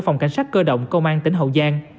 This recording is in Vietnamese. phòng cảnh sát cơ động công an tỉnh hậu giang